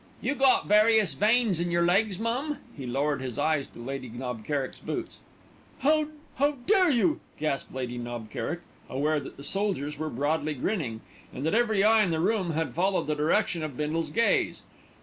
"You got 'various' veins in your legs, mum?" He lowered his eyes to Lady Knob Kerrick's boots. "How how dare you!" gasped Lady Knob Kerrick, aware that the soldiers were broadly grinning, and that every eye in the room had followed the direction of Bindle's gaze.